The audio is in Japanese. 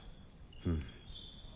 うん。